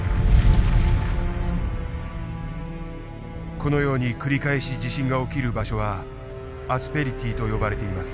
このように繰り返し地震が起きる場所はアスペリティーと呼ばれています。